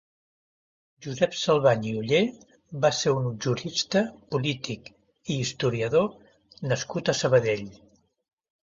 Josep Salvany i Oller va ser un jurista, polític i historiador nascut a Sabadell.